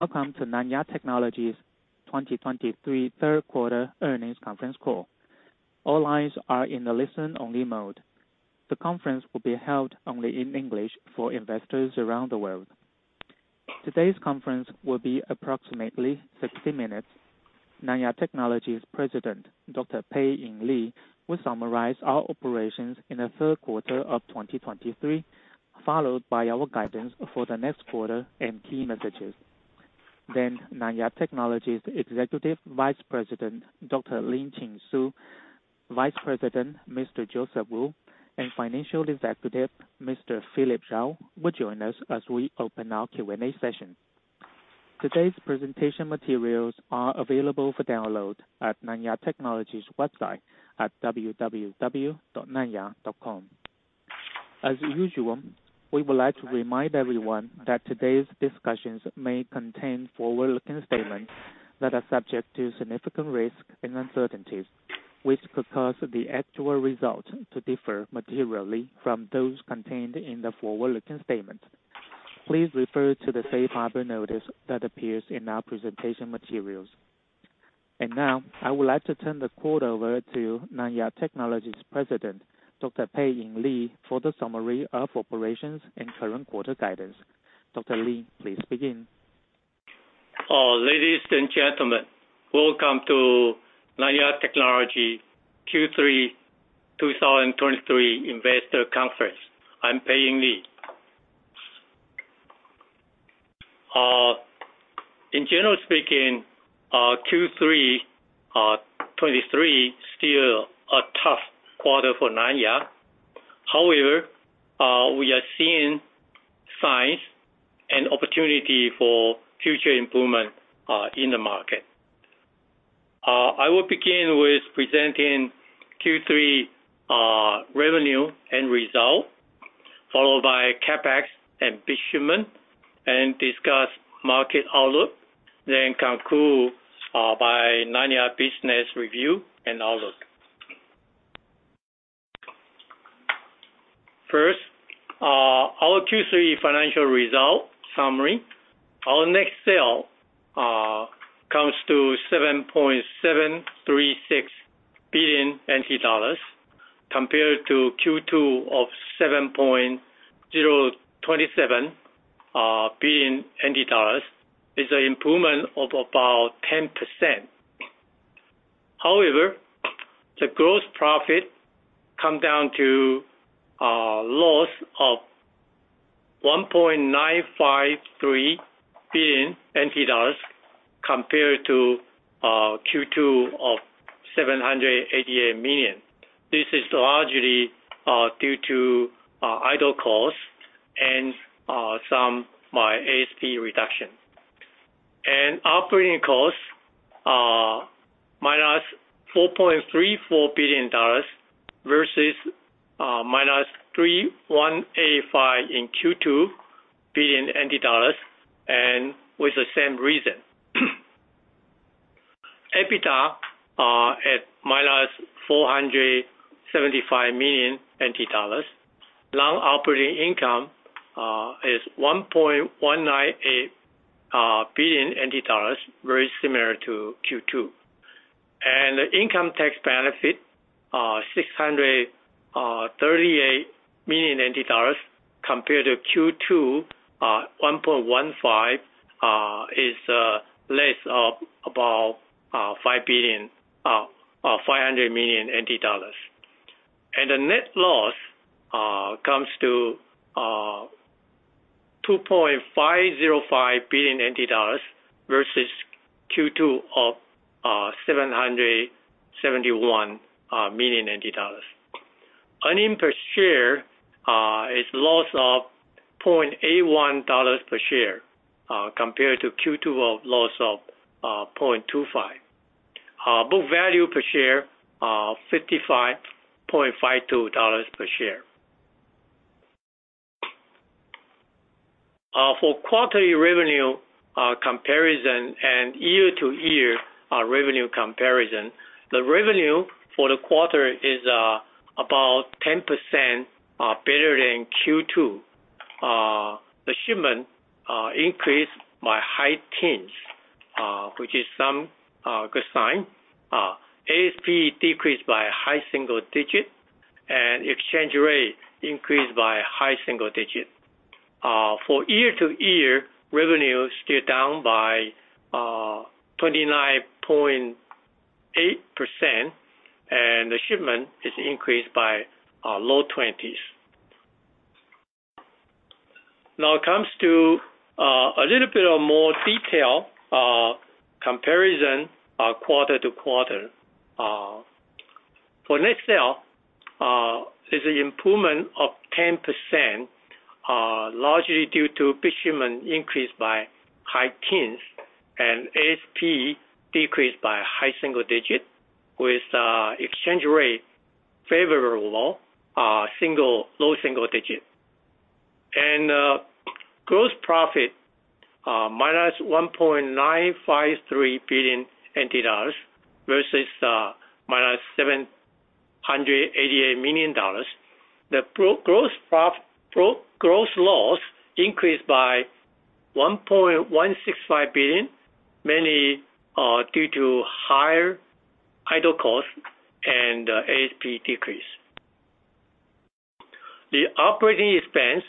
Welcome to Nanya Technology's 2023 third quarter earnings conference call. All lines are in the listen-only mode. The conference will be held only in English for investors around the world. Today's conference will be approximately 60 minutes. Nanya Technology's President, Dr. Pei-Ing Lee, will summarize our operations in the third quarter of 2023, followed by our guidance for the next quarter and key messages. Then, Nanya Technology's Executive Vice President, Dr. Lin-Chin Su, Vice President, Mr. Joseph Wu, and Financial Executive, Mr. Philip Tsao, will join us as we open our Q&A session. Today's presentation materials are available for download at Nanya Technology's website at www.nanya.com. As usual, we would like to remind everyone that today's discussions may contain forward-looking statements that are subject to significant risks and uncertainties, which could cause the actual results to differ materially from those contained in the forward-looking statements. Please refer to the safe harbor notice that appears in our presentation materials. Now, I would like to turn the call over to Nanya Technology's President, Dr. Pei-Ing Lee, for the summary of operations and current quarter guidance. Dr. Lee, please begin. Ladies and gentlemen, welcome to Nanya Technology Q3 2023 investor conference. I'm Pei-Ing Lee. In general speaking, Q3 2023 still a tough quarter for Nanya. However, we are seeing signs and opportunity for future improvement in the market. I will begin with presenting Q3 revenue and result, followed by CapEx and shipment, and discuss market outlook, then conclude by Nanya business review and outlook. First, our Q3 financial results summary. Our net sale comes to 7.736 billion NT dollars compared to Q2 of 7.027 billion NT dollars, is an improvement of about 10%. However, the gross profit come down to loss of 1.953 billion NT dollars compared to Q2 of 788 million. This is largely due to idle costs and some by ASP reduction. Operating costs are -4.34 billion dollars versus -3.185 billion in Q2, and with the same reason. EBITDA are at -475 million NT dollars. Non-operating income is 1.198 billion NT dollars, very similar to Q2. And the income tax benefit, 638 million NT dollars compared to Q2, 1.15, is less of about five hundred million NT dollars. And the net loss comes to 2.505 billion NT dollars versus Q2 of 771 million NT dollars. Earnings per share is loss of $0.81 per share, compared to Q2 of loss of $0.25. Book value per share, $55.52 per share. For quarterly revenue comparison and year-to-year revenue comparison, the revenue for the quarter is about 10% better than Q2. The shipment increased by high teens, which is some good sign. ASP decreased by a high single digit, and exchange rate increased by a high single digit. For year-to-year, revenue is still down by 29.8%, and the shipment is increased by low twenties. Now it comes to a little bit of more detail comparison, quarter to quarter. For next sale is an improvement of 10%, largely due to volume increased by high teens and ASP decreased by a high single digit, with exchange rate favorable, low single digit. Gross profit -1.953 billion dollars versus 188 million dollars. The gross loss increased by 1.165 billion, mainly due to higher idle cost and ASP decrease. The operating expense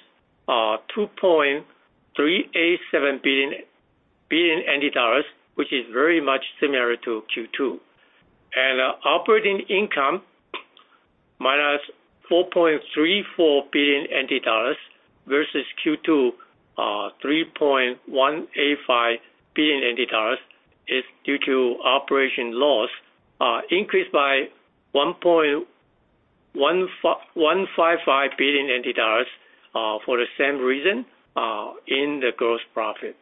are 2.387 billion NT dollars, which is very much similar to Q2. Operating income -4.34 billion NT dollars versus Q2, 3.185 billion NT dollars, is due to operation loss increased by 1.155 billion NT dollars for the same reason in the gross profit.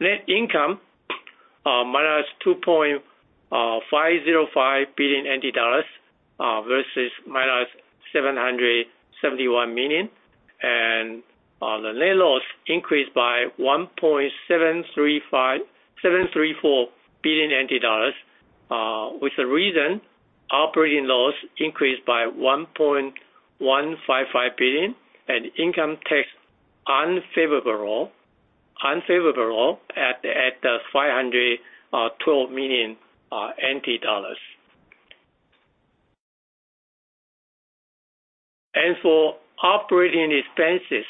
Net income -2.505 billion NT dollars versus -771 million. The net loss increased by 1.734 billion NT dollars, with the reason, operating loss increased by 1.155 billion, and income tax unfavorable at 512 million NT dollars. For operating expenses,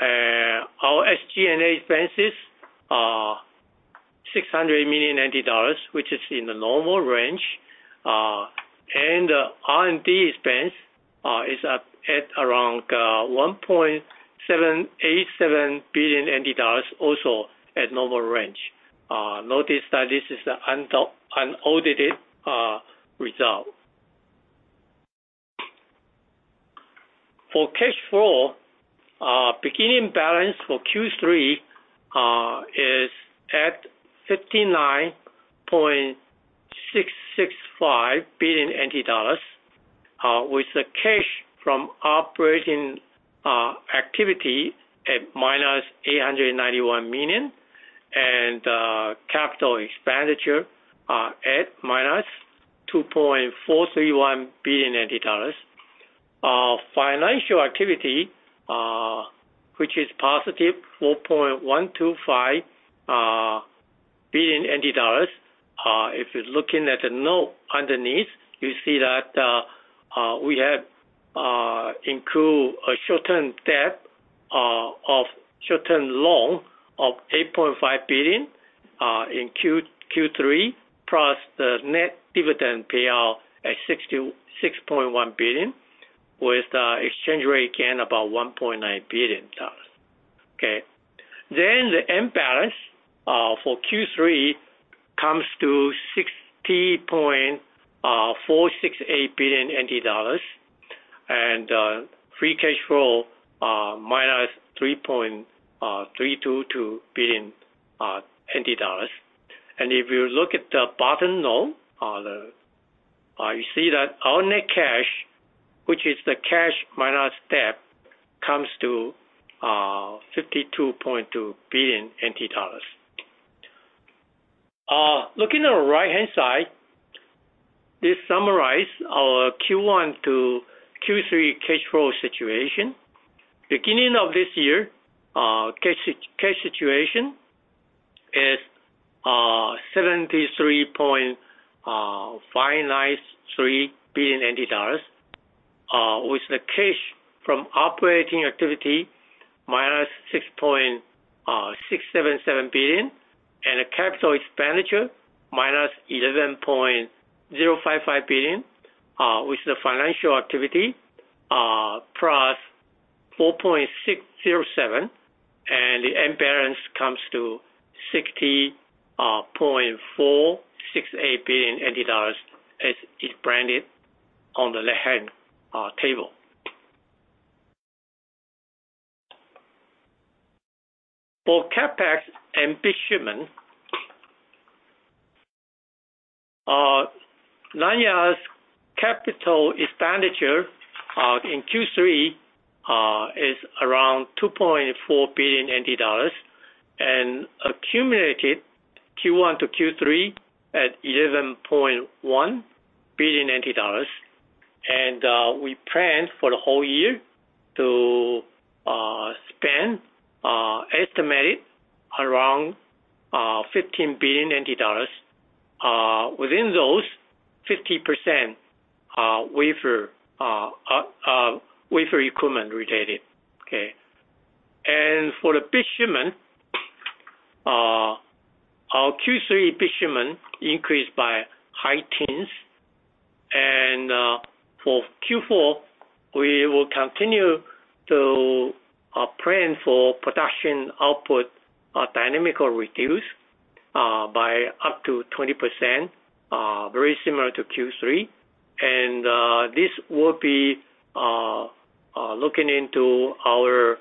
our SG&A expenses are 600 million dollars, which is in the normal range. And R&D expense is at around 1.787 billion dollars, also at normal range. Notice that this is the unaudited result. For cash flow, beginning balance for Q3 is at 59.665 billion NT dollars, with the cash from operating activity at -891 million and capital expenditure at -2.431 billion NT dollars. Financial activity, which is +4.125 billion dollars. If you're looking at the note underneath, you see that we have include a short-term debt of short-term loan of 8.5 billion in Q3, plus the net dividend payout at 66.1 billion, with the exchange rate gain about $1.9 billion. Okay. Then the end balance for Q3 comes to 60.468 billion NT dollars. And free cash flow -3.322 billion NT dollars. And if you look at the bottom note, the you see that our net cash, which is the cash minus debt, comes to TWD 52.2 billion. Looking at the right-hand side, this summarize our Q1-Q3 cash flow situation. Beginning of this year, cash situation is 73.593 billion. With the cash from operating activity, -6.677 billion, and the capital expenditure, -11.055 billion, with the financial activity, plus 4.607. The end balance comes to 60.468 billion dollars, as is branded on the left-hand table. For CapEx and shipment, Nanya's capital expenditure in Q3 is around 2.4 billion NT dollars and accumulated Q1-Q3 at 11.1 billion NT dollars. We plan for the whole year to spend estimated around 15 billion NT dollars. Within those, 50% are wafer, wafer equipment related. Okay. For the shipment, our Q3 shipment increased by high teens. For Q4, we will continue to plan for production output, dynamically reduce by up to 20%, very similar to Q3. This will be looking into our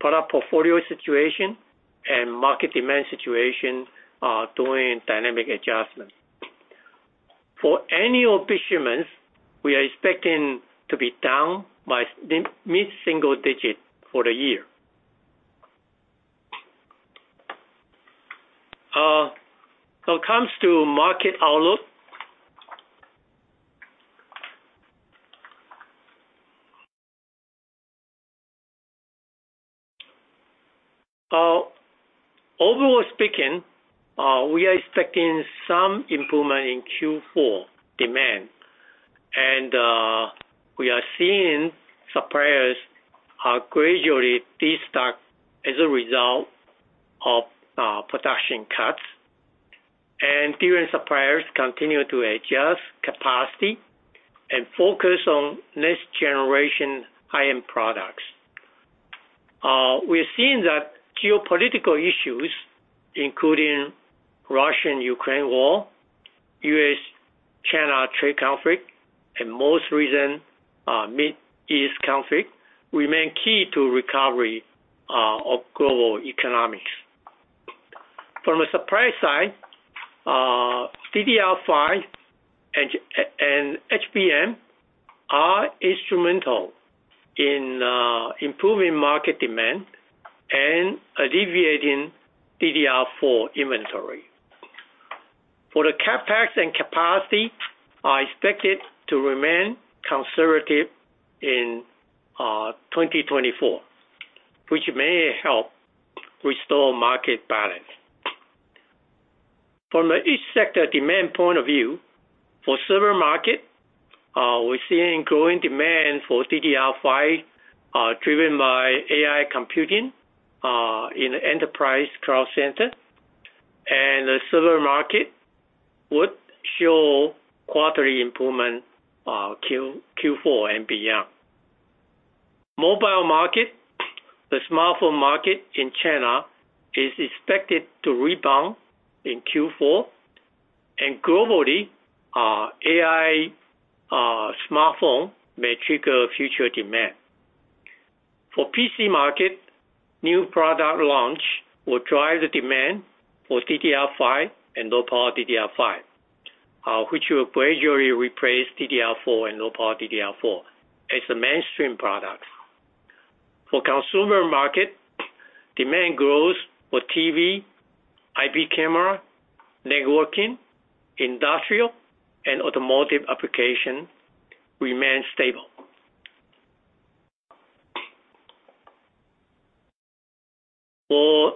product portfolio situation and market demand situation, doing dynamic adjustments. For annual shipments, we are expecting to be down by mid-single digit for the year. Now comes to market outlook. Overall speaking, we are expecting some improvement in Q4 demand, and we are seeing suppliers gradually destock as a result of production cuts. And, suppliers continue to adjust capacity and focus on next-generation high-end products. We're seeing that geopolitical issues, including Russia-Ukraine war, U.S.-China trade conflict, and most recent Middle East conflict, remain key to recovery of global economics. From a supply side, DDR5 and HBM are instrumental in improving market demand and alleviating DDR4 inventory. CapEx and capacity are expected to remain conservative in 2024, which may help restore market balance. From each sector demand point of view, for server market, we're seeing growing demand for DDR5, driven by AI computing in enterprise cloud center. The server market would show quarterly improvement, Q4 and beyond. Mobile market, the smartphone market in China is expected to rebound in Q4, and globally, AI smartphone may trigger future demand. For PC market, new product launch will drive the demand for DDR5 and LPDDR5, which will gradually replace DDR4 and LPDDR4 as the mainstream products. For consumer market, demand growth for TV, IP camera, networking, industrial, and automotive application remain stable. For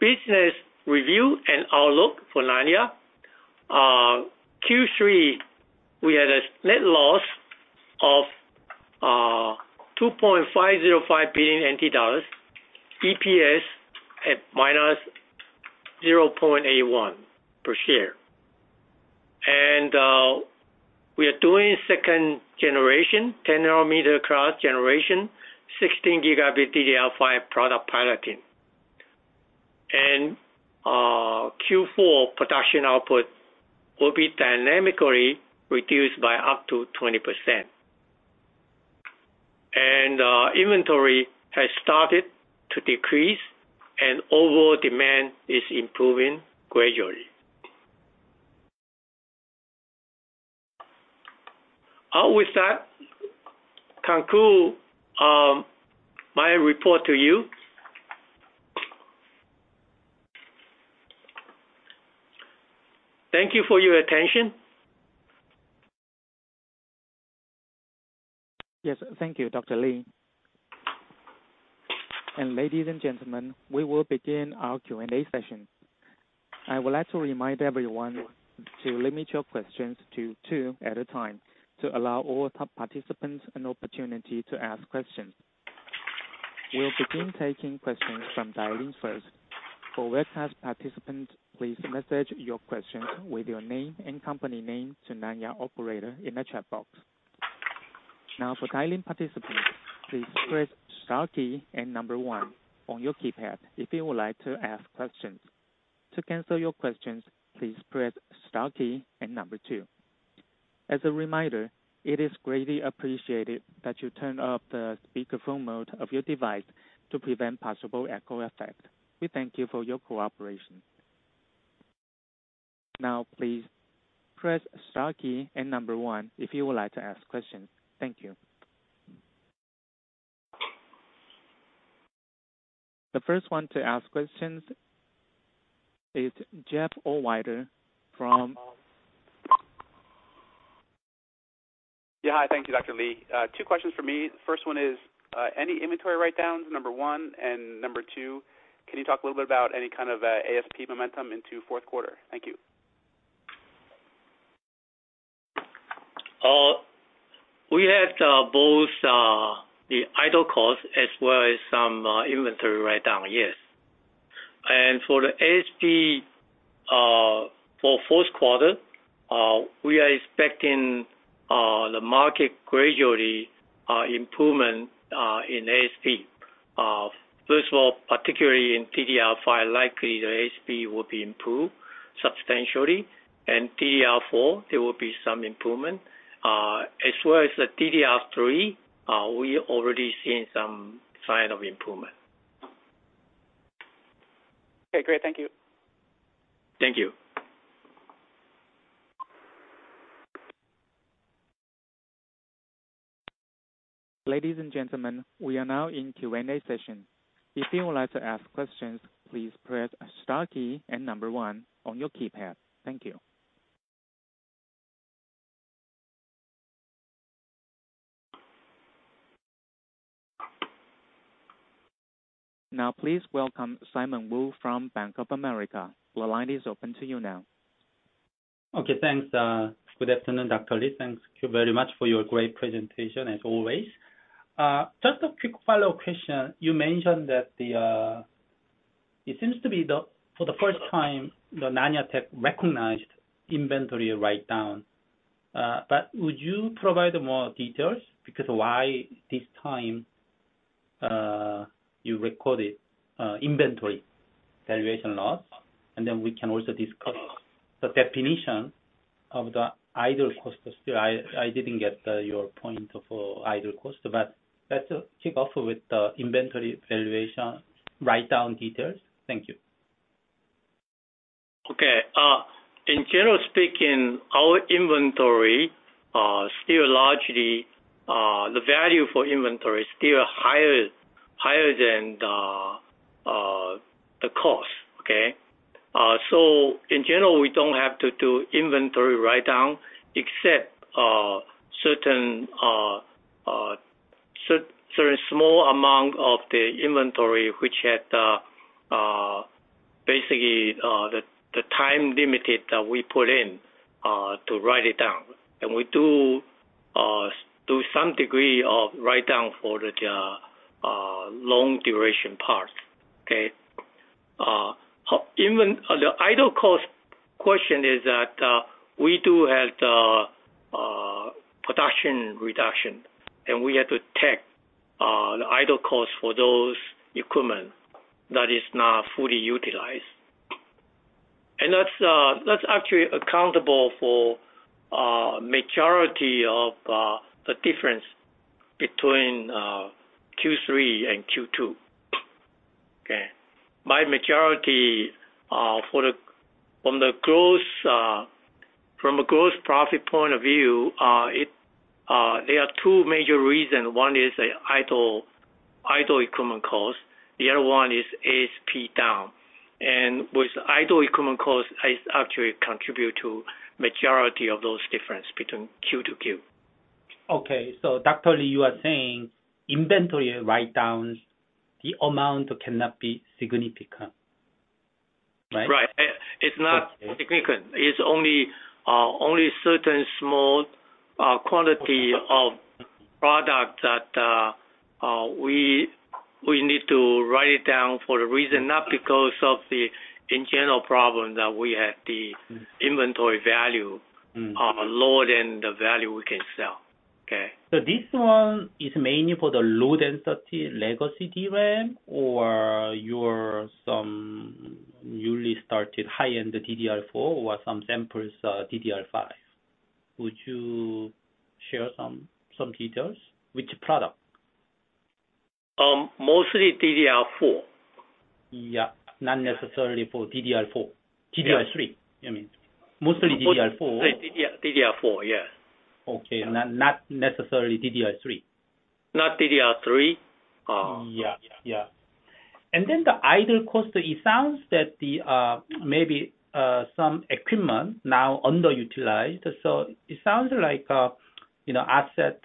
business review and outlook for Nanya, Q3, we had a net loss of 2.505 billion NT dollars, EPS at -0.81 per share. We are doing second generation, 10 nanometer cross generation, 16 GB DDR5 product piloting. Q4 production output will be dynamically reduced by up to 20%. Inventory has started to decrease and overall demand is improving gradually. With that, conclude my report to you. Thank you for your attention. Yes, thank you, Dr. Lee. Ladies and gentlemen, we will begin our Q&A session. I would like to remind everyone to limit your questions to two at a time, to allow all top participants an opportunity to ask questions. We'll begin taking questions from dialing first. For webcast participants, please message your question with your name and company name to Nanya operator in the chat box. Now, for dialing participants, please press star key and number one on your keypad if you would like to ask questions. To cancel your questions, please press star key and number two. As a reminder, it is greatly appreciated that you turn off the speakerphone mode of your device to prevent possible echo effect. We thank you for your cooperation. Now, please press star key and number one if you would like to ask questions. Thank you. The first one to ask questions is Jeff Owider from- Yeah. Hi. Thank you, Dr. Lee. Two questions for me. First one is any inventory write-downs, number one, and number two, can you talk a little bit about any kind of ASP momentum into fourth quarter? Thank you. We had both the idle cost as well as some inventory write-down, yes. For the ASP, for fourth quarter, we are expecting the market gradually improvement in ASP. First of all, particularly in DDR5, likely the ASP will be improved substantially, and DDR4 there will be some improvement. As well as the DDR3, we already seeing some sign of improvement. Okay, great. Thank you. Thank you.... Ladies and gentlemen, we are now in Q&A session. If you would like to ask questions, please press star key and number one on your keypad. Thank you. Now, please welcome Simon Woo from Bank of America. The line is open to you now. Okay, thanks. Good afternoon, Dr. Lee. Thanks, Q, very much for your great presentation, as always. Just a quick follow-up question. You mentioned that it seems to be, for the first time, Nanya Technology recognized inventory write-down. Would you provide more details? Because why this time you recorded inventory valuation loss, and then we can also discuss the definition of the idle costs. Still, I didn't get your point for idle cost, but let's kick off with the inventory valuation write-down details. Thank you. Okay. In general speaking, our inventory, still largely, the value for inventory is still higher, higher than the cost. Okay? So in general, we don't have to do inventory write-down, except certain, very small amount of the inventory, which had, basically, the time limited that we put in, to write it down. And we do, do some degree of write-down for the long duration part. Okay? However, the idle cost question is that we do have the production reduction, and we have to take the idle costs for those equipment that is not fully utilized. And that's actually accountable for majority of the difference between Q3 and Q2. Okay. By majority, for the, from the growth, from a growth profit point of view, it, there are two major reasons. One is the idle, idle equipment cost, the other one is ASP down. With idle equipment cost, I actually contribute to majority of those difference between Q-Q. Okay. Dr. Lee, you are saying inventory write-downs, the amount cannot be significant, right? Right. It, it's not significant. It's only, only certain small quantity of product that, we, we need to write it down for the reason, not because of the internal problem, that we have the inventory value- Mm. lower than the value we can sell. Okay? So this one is mainly for the low density legacy DRAM, or your some newly started high-end DDR4, or some samples, DDR5. Would you share some, some details? Which product? Mostly DDR4. Yeah, not necessarily for DDR4. DDR3, I mean. Mostly DDR4? DDR, DDR4, yes. Okay. Not necessarily DDR3? Not DDR3. Yeah. Yeah. And then the Idle Cost, it sounds that the maybe some equipment now underutilized. So it sounds like, you know, asset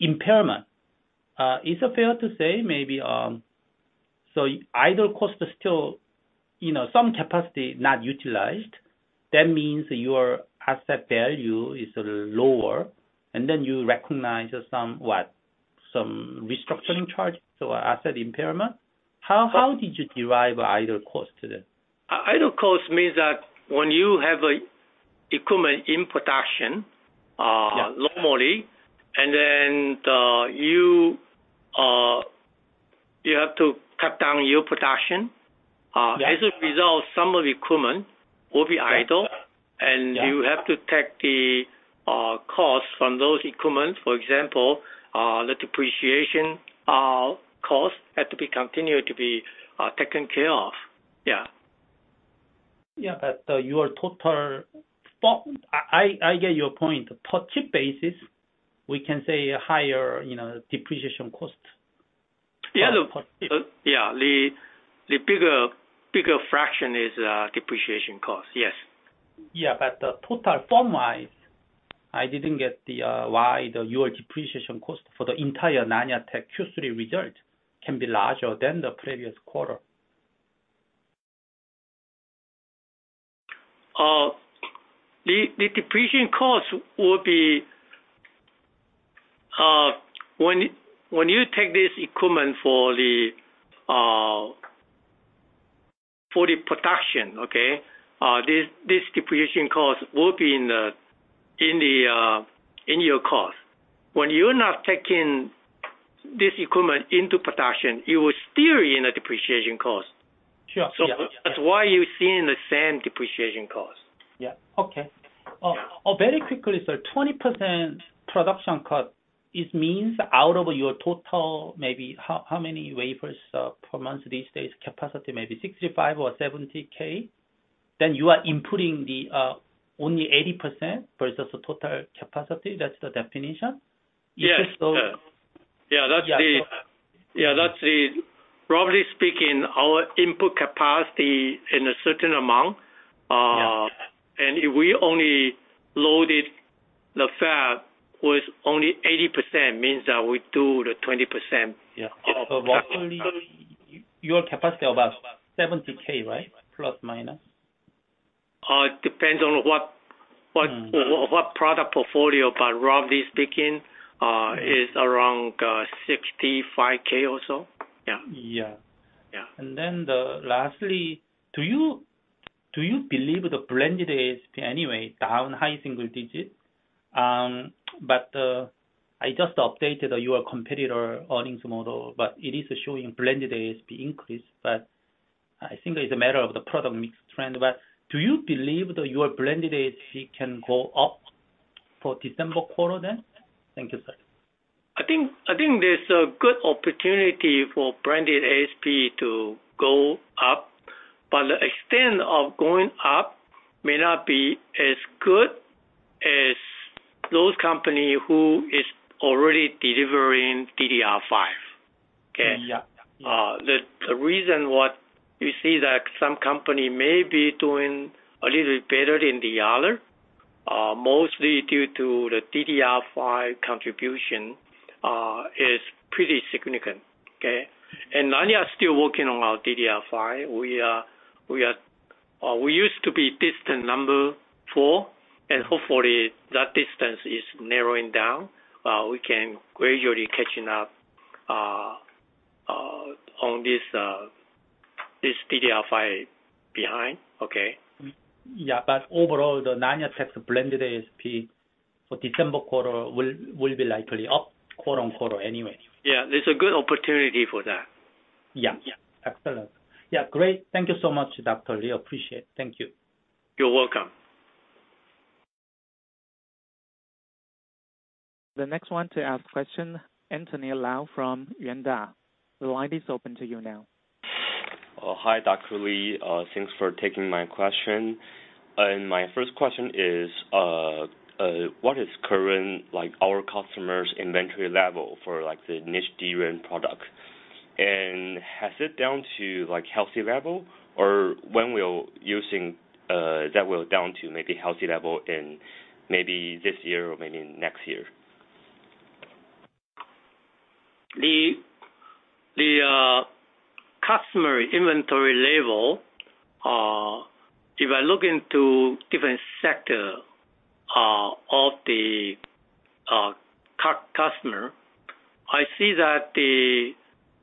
impairment. Is it fair to say maybe so Idle Cost is still, you know, some capacity not utilized, that means your asset value is lower, and then you recognize some what? Some restructuring charge, so asset impairment. How did you derive Idle Cost to this? Idle Cost means that when you have equipment in production. Yeah. low mode, and then, you have to cut down your production. Yeah. As a result, some of the equipment will be idle. Yeah. You have to take the cost from those equipment, for example, the depreciation cost had to be continued to be taken care of. Yeah. Yeah, but your total cost... I get your point. Per chip basis, we can say higher, you know, depreciation cost. Yeah, the bigger fraction is depreciation cost. Yes. Yeah, the total form-wise, I didn't get the, why your depreciation cost for the entire Nanya Technology Q3 result can be larger than the previous quarter. The depreciation cost will be when you take this equipment for the production. Okay, this depreciation cost will be in your cost. When you're not taking this equipment into production, you are still in a depreciation cost. Sure. Yeah. So that's why you're seeing the same depreciation cost. Yeah. Okay. Very quickly, sir, 20% production cut, it means out of your total, maybe how, how many wafers per month these days? Capacity maybe 65K or 70K?... then you are inputting the only 80% versus the total capacity, that's the definition? Yes. So- Yeah, that's the- Yeah. Yeah, that's the, probably speaking, our input capacity in a certain amount. Yeah. If we only loaded the fab with only 80%, means that we do the 20%. Yeah. Of the capacity. Your capacity about 70K, right? Plus, minus. It depends on what, what, what product portfolio, but roughly speaking, is around 65K or so. Yeah. Yeah. Yeah. And then lastly, do you believe the blended ASP anyway down high single digit? But I just updated your competitor earnings model, but it is showing blended ASP increase, but I think it's a matter of the product mix trend. But do you believe that your blended ASP can go up for December quarter, then? Thank you, sir. I think, I think there's a good opportunity for blended ASP to go up, but the extent of going up may not be as good as those company who is already delivering DDR5. Okay. Yeah. The reason what you see that some company may be doing a little better than the other, mostly due to the DDR5 contribution, is pretty significant. Okay? And Nanya are still working on our DDR5. We used to be distant number four, and hopefully that distance is narrowing down. We can gradually catching up on this DDR5 behind. Okay? Yeah, but overall, the Nanya Tech blended ASP for December quarter will be likely up quarter on quarter, anyway. Yeah, there's a good opportunity for that. Yeah. Yeah. Excellent. Yeah, great. Thank you so much, Dr. Lee. Appreciate it. Thank you. You're welcome. The next one to ask question, Anthony Lau from Yuanta. The line is open to you now. Hi, Dr. Lee, thanks for taking my question. My first question is, what is current, like, our customer's inventory level for, like, the niche DRAM product? Has it down to, like, healthy level, or when we'll using, that will down to maybe healthy level in maybe this year or maybe next year? The customer inventory level, if I look into different sector of the customer, I see that the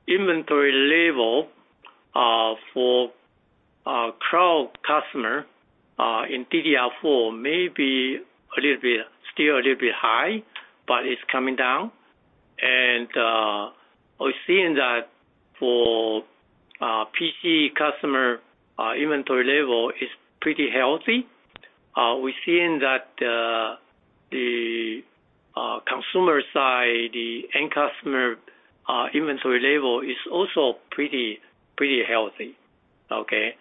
inventory level for cloud customer in DDR4 may be a little bit, still a little bit high, but it's coming down. We're seeing that for PC customer, inventory level is pretty healthy. We're seeing that the consumer side, the end customer, inventory level is also pretty, pretty healthy. Okay?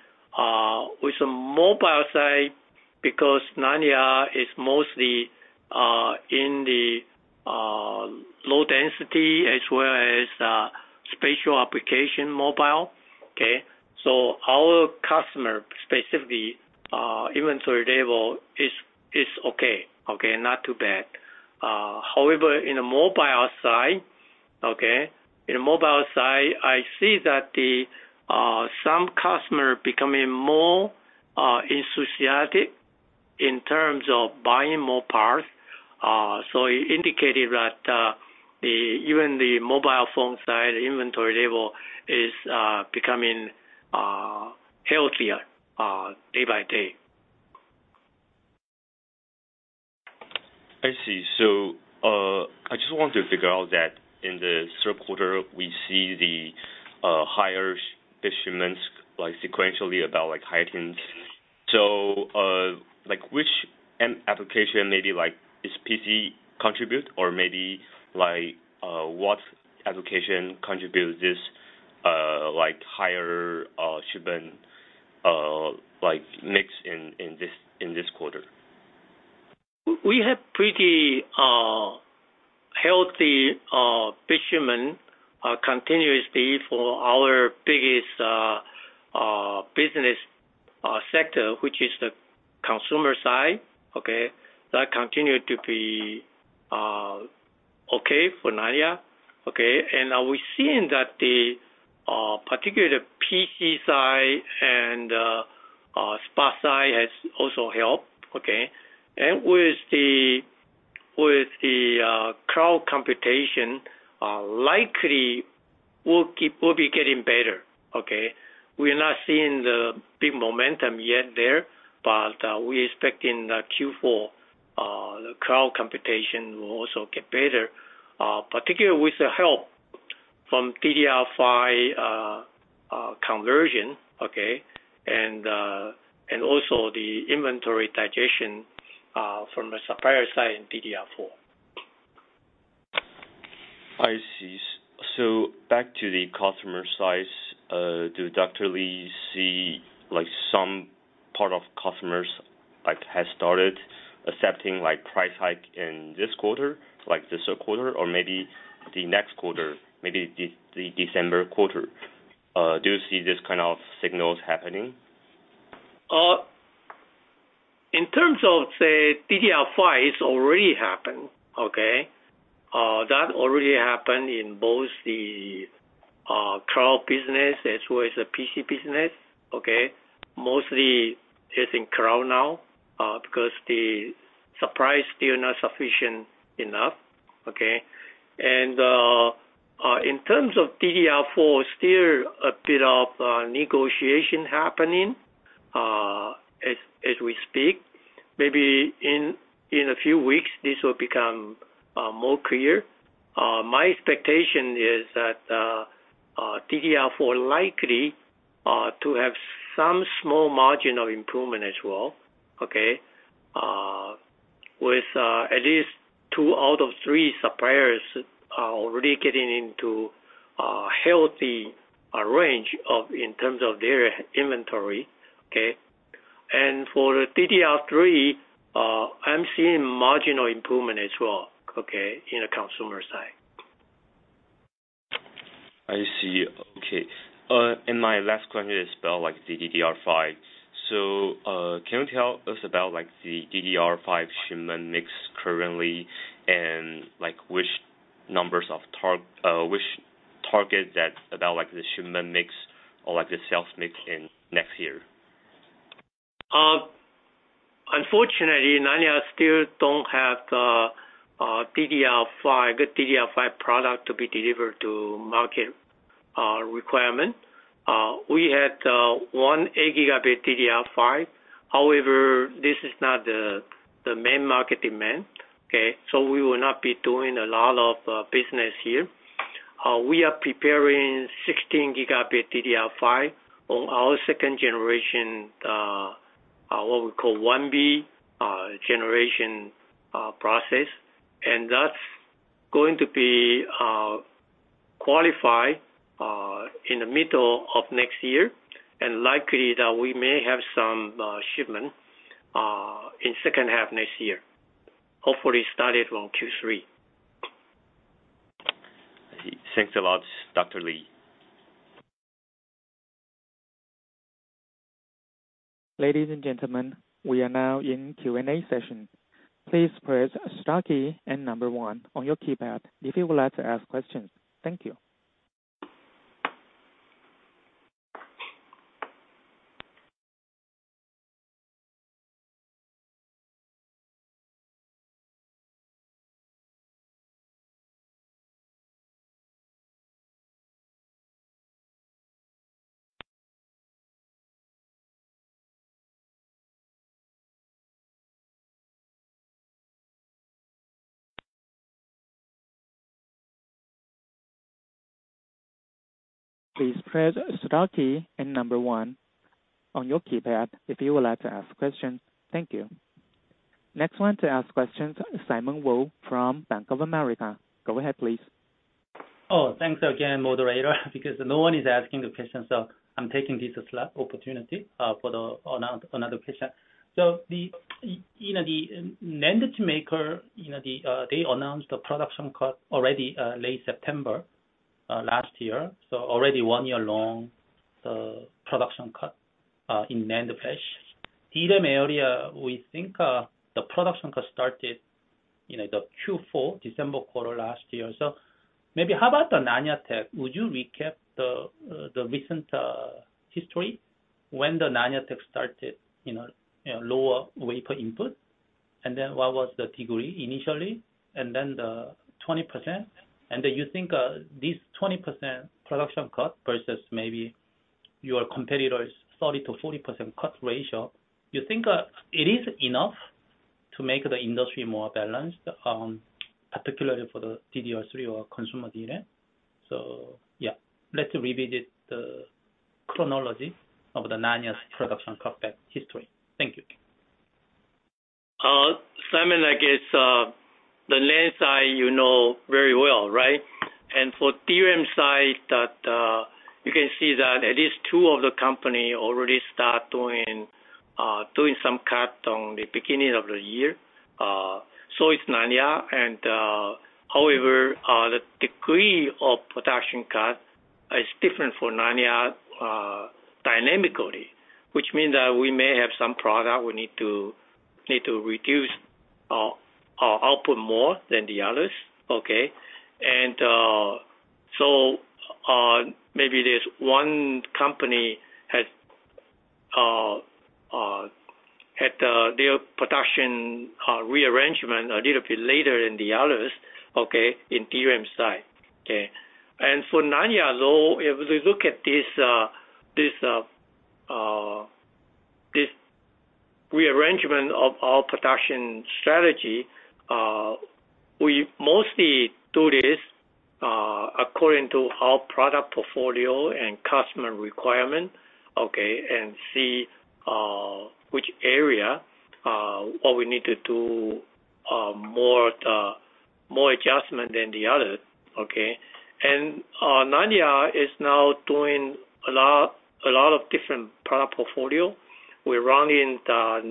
With the mobile side, because Nanya is mostly in the low density, as well as special application mobile, okay? So our customer specifically, inventory level is, is okay. Okay, not too bad. However, in the mobile side, okay, in the mobile side, I see that some customer becoming more enthusiastic in terms of buying more parts. It indicated that even the mobile phone side inventory level is becoming healthier day by day. I see. So, I just want to figure out that in the third quarter, we see the, higher shipments, like, sequentially about, like, high teens. So, like, which end application maybe, like, is PC contribute? Or maybe, like, what application contributes this, like, higher, shipment, like, mix in, in this, in this quarter? We have pretty healthy fashion continuously for our biggest business sector, which is the consumer side. Okay? That continued to be okay for Nanya. Okay, and we're seeing that, particularly the PC side and spot side has also helped. Okay? And with the cloud computation likely will be getting better. Okay? We're not seeing the big momentum yet there, but we expecting that Q4 the cloud computation will also get better, particularly with the help from DDR5 conversion, okay, and also the inventory digestion from the supplier side in DDR4.... I see. So back to the customer size, do Dr. Lee see like some part of customers, like, has started accepting, like, price hike in this quarter, like this quarter, or maybe the next quarter, maybe the, the December quarter? Do you see this kind of signals happening? In terms of, say, DDR5, it's already happened, okay? That already happened in both the cloud business as well as the PC business, okay? Mostly it's in cloud now, because the supply is still not sufficient enough, okay? In terms of DDR4, still a bit of negotiation happening, as we speak. Maybe in a few weeks, this will become more clear. My expectation is that DDR4 likely to have some small margin of improvement as well, okay? With at least two out of three suppliers already getting into a healthy range in terms of their inventory, okay? For the DDR3, I'm seeing marginal improvement as well in the consumer side. I see. Okay. And my last question is about like the DDR5. So, can you tell us about, like, the DDR5 shipment mix currently, and like, which target that about, like, the shipment mix or like the sales mix in next year? Unfortunately, Nanya still don't have the DDR5, good DDR5 product to be delivered to market requirement. We had one 8 gigabyte DDR5. However, this is not the main market demand, okay? We will not be doing a lot of business here. We are preparing 16 gigabyte DDR5 on our second generation, what we call 1B generation process. That's going to be qualified in the middle of next year, and likely that we may have some shipment in second half next year. Hopefully, started from Q3. Thanks a lot, Dr. Lee. Ladies and gentlemen, we are now in Q&A session. Please press star key and number one on your keypad if you would like to ask questions. Thank you. Please press star key and number one on your keypad if you would like to ask questions. Thank you. Next one to ask questions, Simon Woo from Bank of America. Go ahead, please. Oh, thanks again, moderator, because no one is asking the question, so I'm taking this slot opportunity for another question. So, you know, the NAND maker, you know, they announced the production cut already, late September, last year, so already one year long, the production cut in NAND flash. DRAM area, we think, the production cut started, you know, the Q4, December quarter last year. So maybe how about the Nanya Tech? Would you recap the recent history when the Nanya Tech started, you know, lower wafer input? And then what was the degree initially, and then the 20%. And then you think, this 20% production cut versus maybe your competitors, 30%-40% cut ratio, you think, it is enough to make the industry more balanced, particularly for the DDR3 or consumer DRAM? So, yeah, let's revisit the chronology of the Nanya's production cutback history. Thank you. Simon, I guess, the NAND side you know very well, right? And for DRAM side, that you can see that at least two of the company already start doing some cut on the beginning of the year. So it's Nanya and... However, the degree of production cut is different for Nanya, dynamically, which means that we may have some product we need to reduce our output more than the others, okay? And so, maybe there's one company has had their production rearrangement a little bit later than the others, okay, in DRAM side. Okay. For Nanya, though, if we look at this, this rearrangement of our production strategy, we mostly do this according to our product portfolio and customer requirement, okay, and see, which area or we need to do more, more adjustment than the other, okay? Nanya is now doing a lot, a lot of different product portfolio. We're running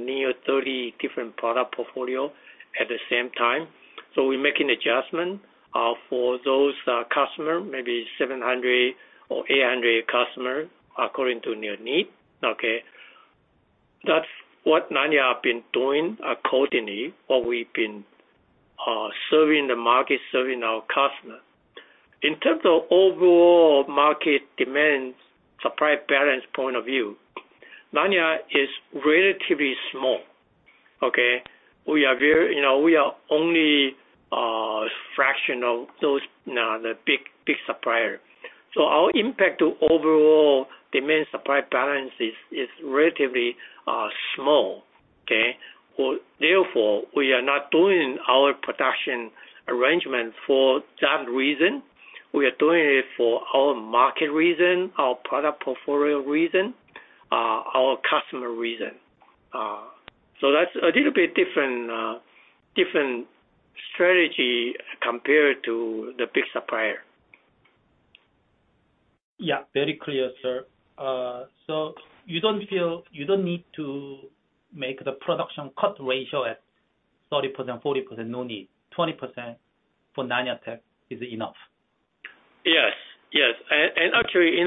near 30 different product portfolio at the same time. So we're making adjustment for those customer, maybe 700 or 800 customer according to their need. Okay. That's what Nanya have been doing accordingly, what we've been serving the market, serving our customer. In terms of overall market demand, supply, balance, point of view, Nanya is relatively small. Okay? We are very, you know, we are only a fraction of those, the big, big supplier. So our impact to overall demand, supply balance is relatively small. Okay? Well, therefore, we are not doing our production arrangement for that reason. We are doing it for our market reason, our product portfolio reason, our customer reason. So that's a little bit different, different strategy compared to the big supplier. Yeah, very clear, sir. So you don't feel, you don't need to make the production cut ratio at 30%, 40%, no need. 20% for Nanya Tech is enough? Yes, yes. Actually,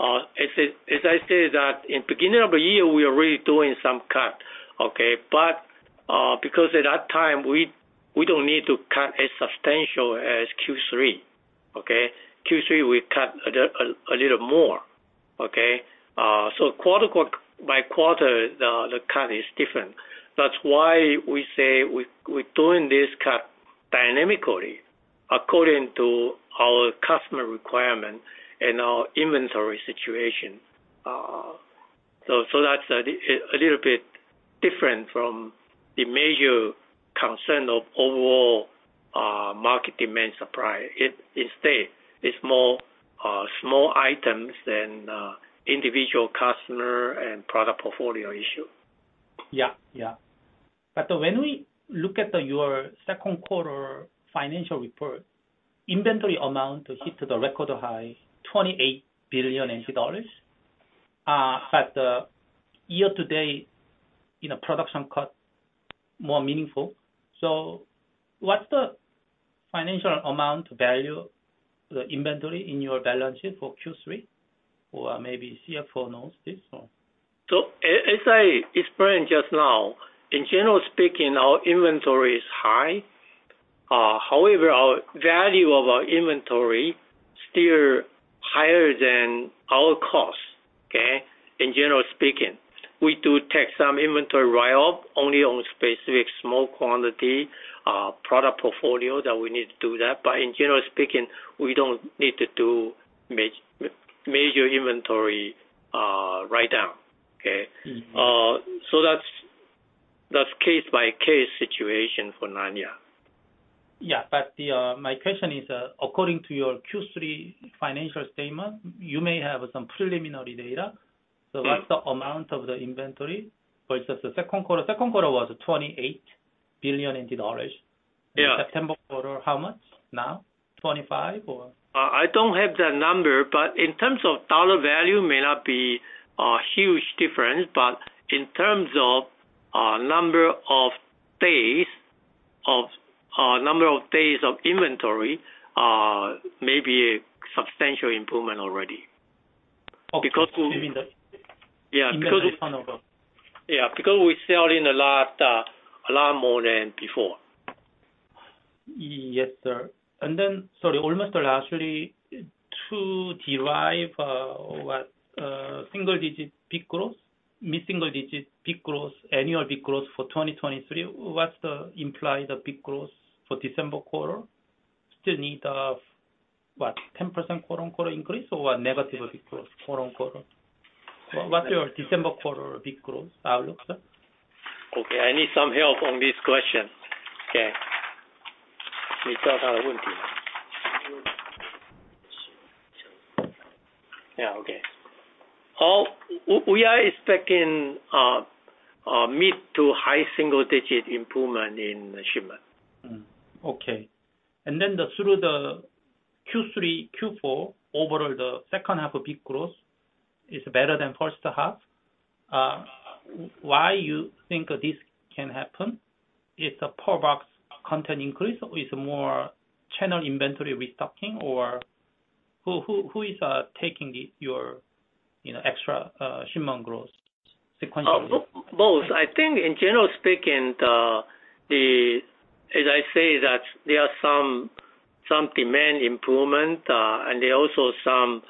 in the beginning of the year, as I said, we are really doing some cut. Okay, but because at that time we don't need to cut as substantial as Q3, okay? Q3, we cut a little more. Okay? So quarter by quarter, the cut is different. That's why we say we're doing this cut dynamically according to our customer requirement and our inventory situation. So that's a little bit different from the major concern of overall market demand supply. Instead, it's more small items than individual customer and product portfolio issue. Yeah, yeah. But when we look at the your second quarter financial report, inventory amount hit the record high, 28 billion NT dollars. But the year to date, you know, production cut more meaningful. So what's the financial amount value, the inventory in your balance sheet for Q3? Or maybe CFO knows this, or? So as I explained just now, in general speaking, our inventory is high. However, our value of our inventory still higher than our cost. Okay? In general speaking, we do take some inventory write-off only on specific small quantity product portfolio that we need to do that, but in general speaking, we don't need to do major inventory write down. Okay. Mm-hmm. So that's case by case situation for Nanya. Yeah, but my question is, according to your Q3 financial statement, you may have some preliminary data. Yes. So what's the amount of the inventory for just the second quarter? Second quarter was 28 billion dollars. Yeah. September quarter, how much now? 25, or? I don't have that number, but in terms of dollar value, may not be a huge difference, but in terms of number of days of inventory, maybe a substantial improvement already. Okay. Because we- You mean the- Yeah, because- Inventory turnover. Yeah, because we sell in a lot, a lot more than before. Yes, sir. And then, sorry, almost lastly, to derive, what, single-digit bit growth, mid-single-digit bit growth, annual bit growth for 2023, what's the implied bit growth for December quarter? Still need, what, 10% quarter-on-quarter increase or what? Negative growth quarter-on-quarter. What's your December quarter bit growth outlook, sir? Okay, I need some help on this question. Okay. Yeah. Okay. We are expecting a mid to high single digit improvement in shipment. Okay. And then through the Q3, Q4, overall, the second half of bit growth is better than first half. Why you think this can happen? It's a per box content increase or it's more channel inventory restocking or who, who, who is taking your, you know, extra shipment growth sequentially? Both. I think in general speaking, as I say that there are some demand improvement, and there are also some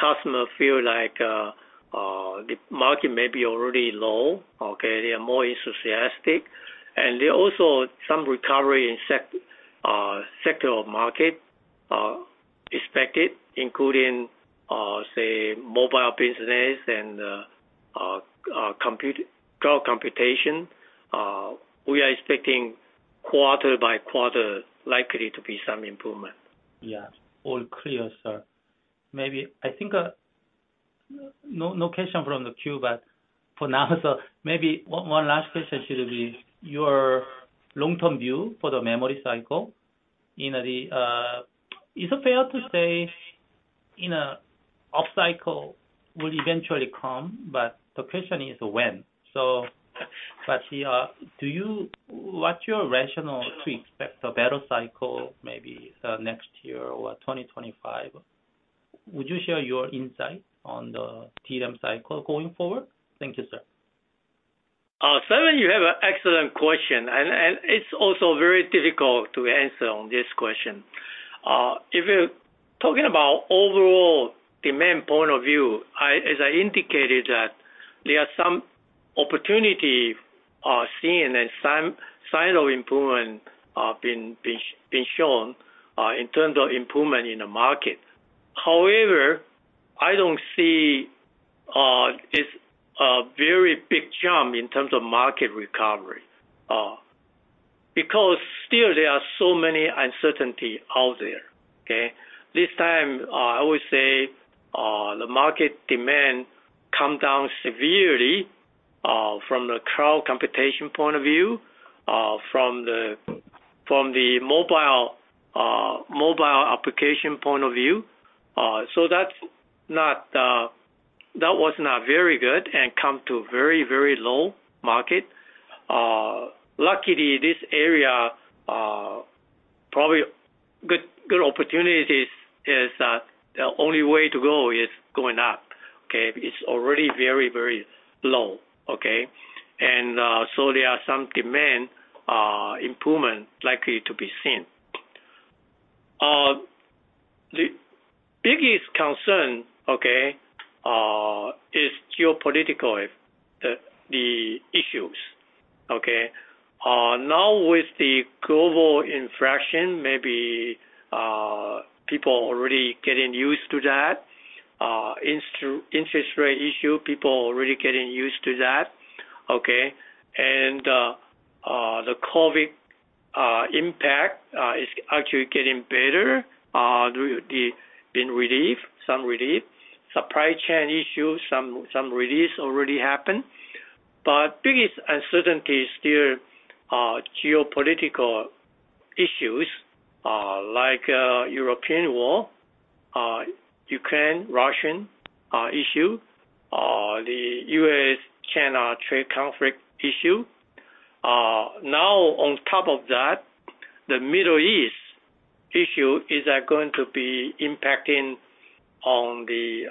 customer feel like the market may be already low. Okay, they are more enthusiastic, and there are also some recovery in sector of market expected, including, say, mobile business and compute, cloud computation. We are expecting quarter by quarter likely to be some improvement. Yeah. All clear, sir. Maybe I think, no question from the queue, but for now, so maybe one last question should be, your long-term view for the memory cycle, you know, the, is it fair to say an up cycle will eventually come, but the question is when? So, but, do you-- what's your rationale to expect a better cycle maybe, next year or 2025? Would you share your insight on the DRAM cycle going forward? Thank you, sir. Simon, you have an excellent question, and it's also very difficult to answer on this question. If you're talking about overall demand point of view, as I indicated, that there are some opportunity seen and some sign of improvement being shown in terms of improvement in the market. However, I don't see a very big jump in terms of market recovery, because still there are so many uncertainty out there, okay? This time, I would say, the market demand come down severely from the cloud computation point of view, from the mobile application point of view. So that's not, that was not very good and come to a very, very low market. Luckily, this area probably good opportunities is the only way to go is going up, okay? It's already very, very low, okay? So there are some demand improvement likely to be seen. The biggest concern, okay, is geopolitical issues, okay? Now with the global inflation, maybe people already getting used to that, interest rate issue, people already getting used to that, okay? The COVID impact is actually getting better, they've been relieved, some relief. Supply chain issues, some relief already happened. But biggest uncertainty is still geopolitical issues, like European war, Ukraine-Russia issue, the U.S.-China trade conflict issue. Now on top of that, the Middle East issue is going to be impacting on the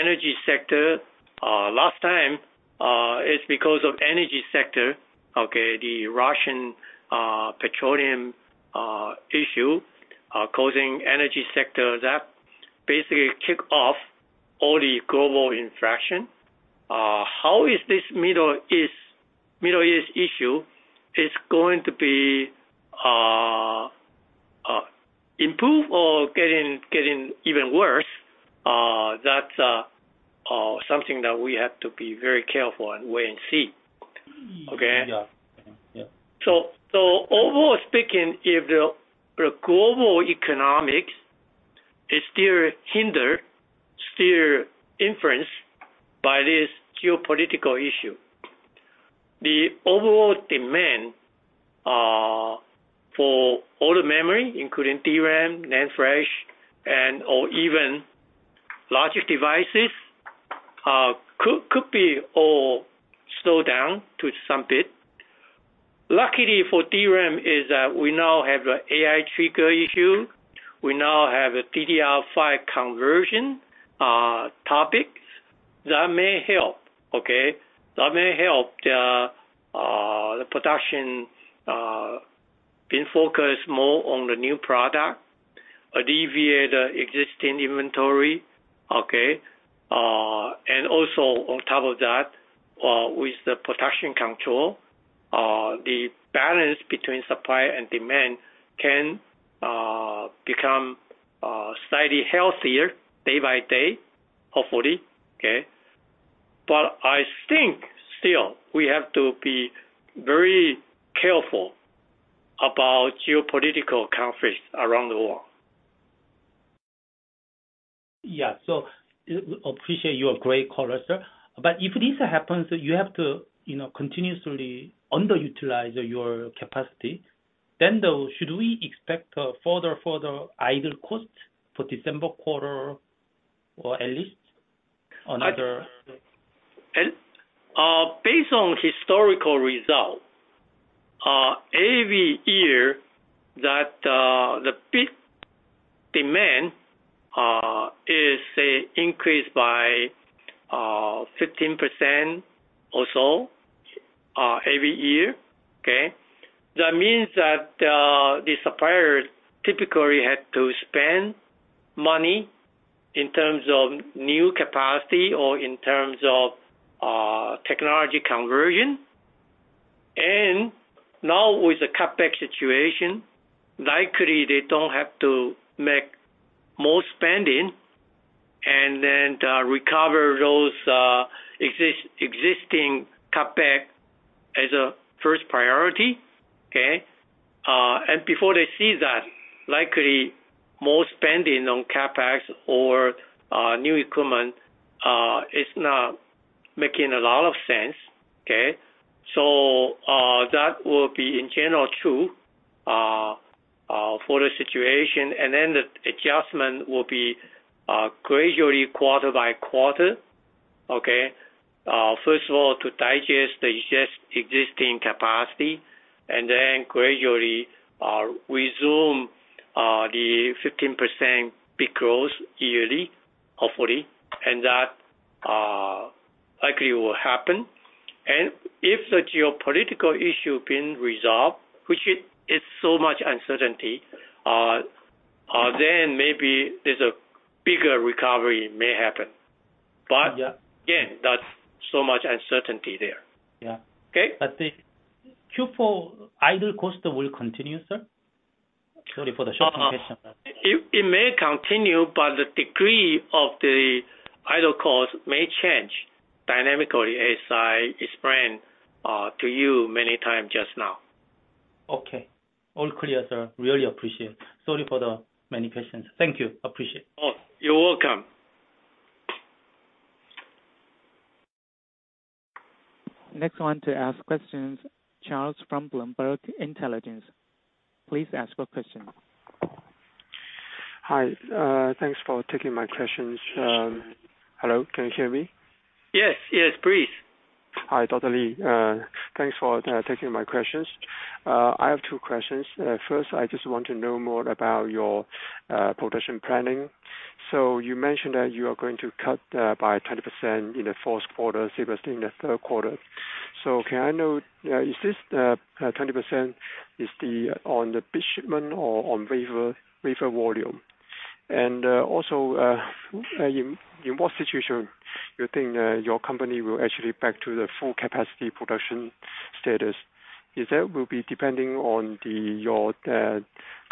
energy sector. Last time, it's because of energy sector, okay, the Russian petroleum issue causing energy sector that basically kick off all the global inflation. How is this Middle East, Middle East issue is going to be improved or getting, getting even worse? That's something that we have to be very careful and wait and see, okay? Yeah. Yeah. Overall speaking, if the global economics is still hindered, still influenced by this geopolitical issue, the overall demand for all the memory, including DRAM, NAND flash, and/or even logic devices, could be all slowed down to some bit. Luckily for DRAM is that we now have a AI trigger issue. We now have a DDR5 conversion topics that may help, okay? That may help the production being focused more on the new product, alleviate the existing inventory, okay? Also on top of that, with the production control, the balance between supply and demand can become slightly healthier day by day, hopefully, okay? I think still, we have to be very careful about geopolitical conflicts around the world. Yeah. So appreciate your great color, sir. But if this happens, you have to, you know, continuously underutilize your capacity, then though, should we expect, further, further idle costs for December quarter or at least another? Based on historical results, every year that the peak demand is, say, increased by 15% or so every year, okay? That means that the suppliers typically have to spend money in terms of new capacity or in terms of technology conversion. Now with the cutback situation, likely they don't have to make more spending and then recover those existing cut back as a first priority, okay? Before they see that, likely more spending on CapEx or new equipment is not making a lot of sense. That will be in general true for the situation, and then the adjustment will be gradually quarter by quarter. Okay? First of all, to digest the existing capacity and then gradually resume the 15% bit growth yearly, hopefully, and that likely will happen. And if the geopolitical issue been resolved, which it's so much uncertainty, then maybe there's a bigger recovery may happen. But- Yeah. Again, that's so much uncertainty there. Yeah. Okay? But the Q4 Idle Cost will continue, sir? Sorry for the short question. It, it may continue, but the degree of the idle cost may change dynamically, as I explained to you many times just now. Okay. All clear, sir. Really appreciate. Sorry for the many questions. Thank you. Appreciate. Oh, you're welcome. Next one to ask questions, Charles from Bloomberg Intelligence. Please ask your question. Hi. Thanks for taking my questions. Hello, can you hear me? Yes. Yes, please. Hi, Dr. Lee. Thanks for taking my questions. I have two questions. First, I just want to know more about your production planning. You mentioned that you are going to cut by 20% in the fourth quarter, same as in the third quarter. Can I know, is this 20% on the bit shipment or on wafer, wafer volume? Also, in what situation do you think your company will actually be back to the full capacity production status? Is that depending on your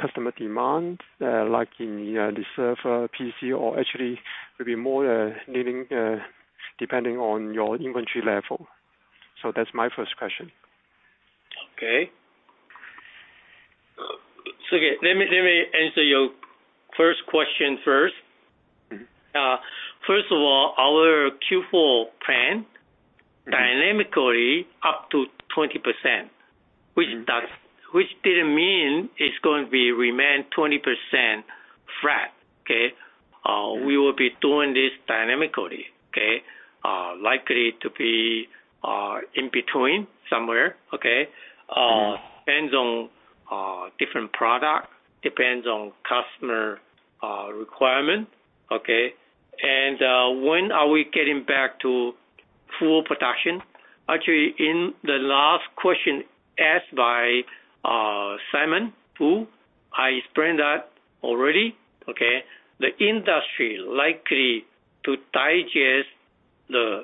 customer demand, like in the server PC, or actually maybe more leaning depending on your inventory level? That's my first question. Okay. Again, let me, let me answer your first question first. Mm-hmm. First of all, our Q4 plan dynamically up to 20%, which doesn't mean it's going to remain 20% flat, okay? We will be doing this dynamically, okay? Likely to be in between somewhere, okay. Mm-hmm. Depends on different product, depends on customer requirement. Okay, and when are we getting back to full production? Actually, in the last question asked by Simon Woo, I explained that already, okay? The industry likely to digest the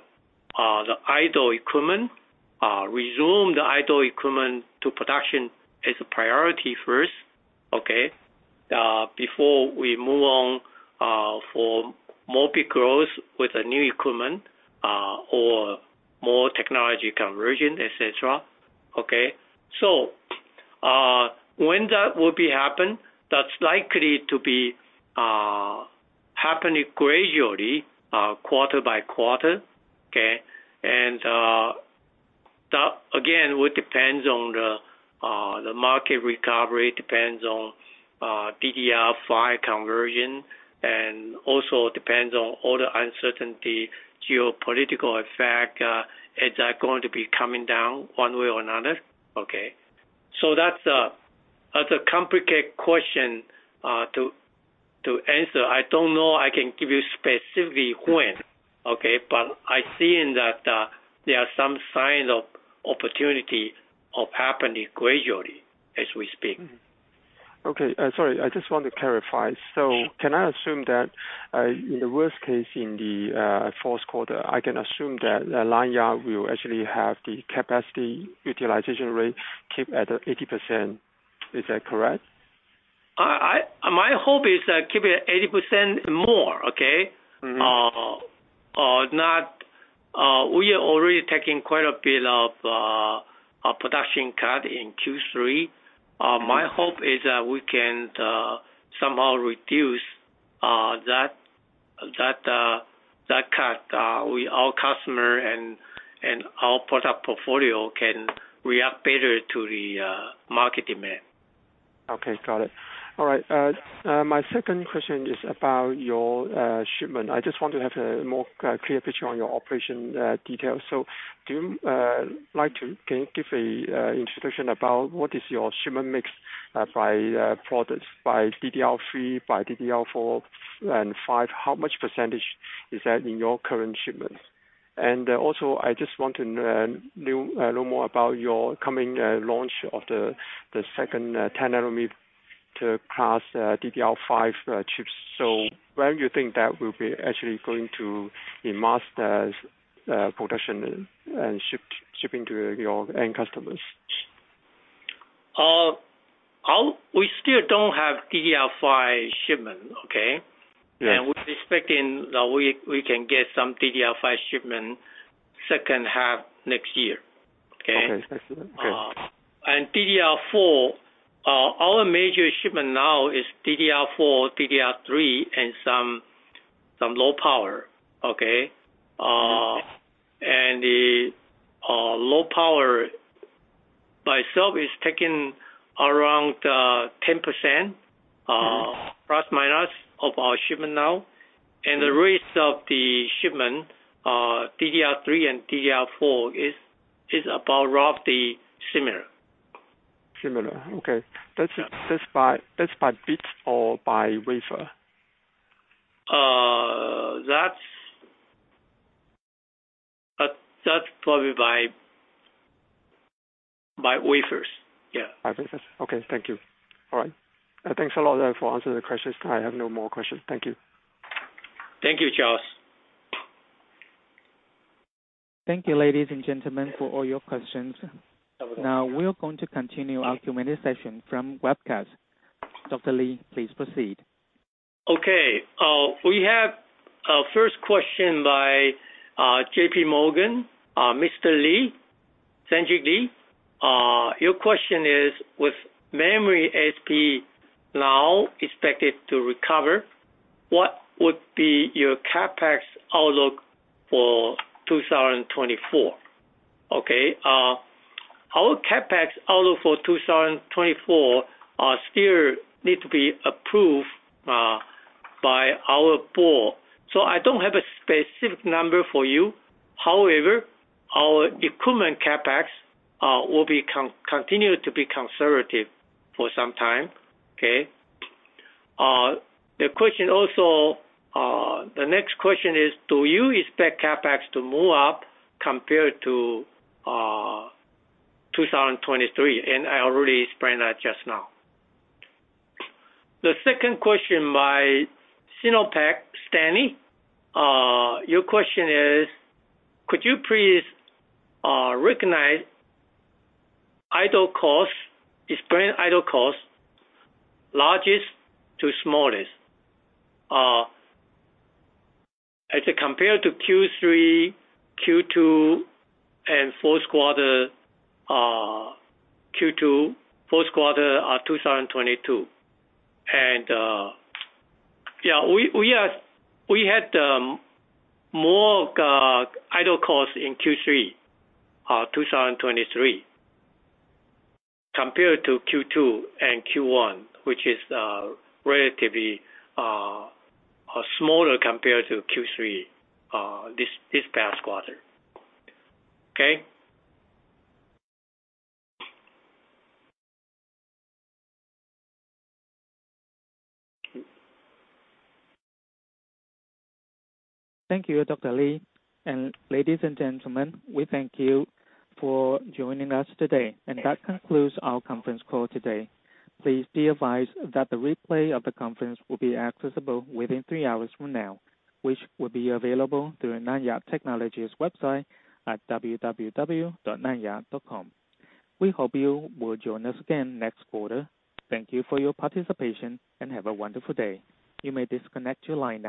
idle equipment, resume the idle equipment to production as a priority first, okay, before we move on for more big growth with the new equipment, or more technology conversion, et cetera. Okay? When that will happen, that's likely to be happening gradually, quarter by quarter, okay? That, again, will depend on the market recovery, depends on DDR5 conversion, and also depends on all the uncertainty, geopolitical effect, is that going to be coming down one way or another. Okay. That's a complicated question to answer. I don't know I can give you specifically when, okay? But I seen that there are some signs of opportunity of happening gradually as we speak. Mm-hmm. Okay, sorry, I just want to clarify. Yeah. Can I assume that, in the worst case, in the fourth quarter, I can assume that Nanya will actually have the capacity utilization rate keep at 80%. Is that correct? My hope is that keep it at 80% more, okay? Mm-hmm. We are already taking quite a bit of a production cut in Q3. My hope is that we can somehow reduce that cut. We, our customer and our product portfolio, can react better to the market demand. Okay, got it. All right, my second question is about your shipment. I just want to have a more clear picture on your operation details. So do you like to, can you give a introduction about what is your shipment mix by products, by DDR3, by DDR4 and 5? How much percentage is that in your current shipments? And also, I just want to know more about your coming launch of the second 10 nanometer class DDR5 chips. So when you think that will be actually going to in mass production and shipping to your end customers?... DDR5 shipment, okay? Yeah. We're expecting that we can get some DDR5 shipment second half next year. Okay? Okay, excellent. Great. And DDR4, our major shipment now is DDR4, DDR3, and some low power, okay? And the low power by itself is taking around 10% plus minus of our shipment now. And the rest of the shipment, DDR3 and DDR4, is about roughly similar. Similar. Okay. That's by bit or by wafer? That's probably by wafers. Yeah. Okay, thank you. All right. Thanks a lot for answering the questions. I have no more questions. Thank you. Thank you, Charles. Thank you, ladies and gentlemen, for all your questions. Now we are going to continue our Q&A session from webcast. Dr. Lee, please proceed. Okay. We have a first question by JP Morgan. Mr. Lee, Sanjik Lee, your question is: With memory ASP now expected to recover, what would be your CapEx outlook for 2024? Okay, our CapEx outlook for 2024 still need to be approved by our board, so I don't have a specific number for you. However, our equipment CapEx will continue to be conservative for some time. Okay? The question also, the next question is, do you expect CapEx to move up compared to 2023? And I already explained that just now. The second question by SinoPac, Stanley, your question is, could you please recognize idle costs, explain idle costs, largest to smallest? As compared to Q3, Q2, and fourth quarter, Q2, fourth quarter, 2022. And, yeah, we, we had, we had, more, idle costs in Q3, 2023, compared to Q2 and Q1, which is, relatively, smaller compared to Q3, this, this past quarter. Okay? Thank you, Dr. Lee. Ladies and gentlemen, we thank you for joining us today, and that concludes our conference call today. Please be advised that the replay of the conference will be accessible within 3 hours from now, which will be available through Nanya Technology's website at www.nanya.com. We hope you will join us again next quarter. Thank you for your participation and have a wonderful day. You may disconnect your line now.